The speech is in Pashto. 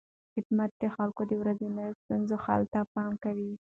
خدمت د خلکو د ورځنیو ستونزو حل ته پام کوي.